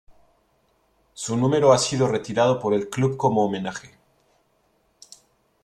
Su número ha sido retirado por el club como homenaje.